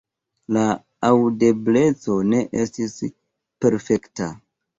La aŭdebleco ne estis perfekta.